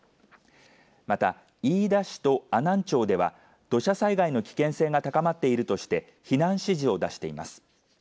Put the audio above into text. また、飯田市と阿南町では土砂災害の危険性が高まっているとして避難指示を出しています。